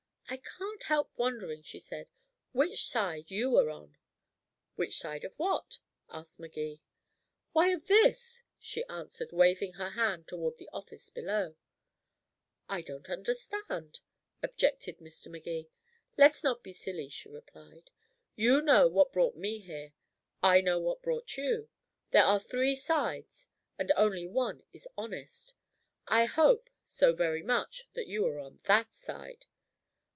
"I can't help wondering," she said, "which side you are on?" "Which side of what?" asked Magee. "Why, of this," she answered, waving her hand toward the office below. "I don't understand," objected Mr. Magee. "Let's not be silly," she replied. "You know what brought me here. I know what brought you. There are three sides, and only one is honest. I hope, so very much, that you are on that side."